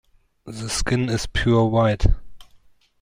The skin is pure white.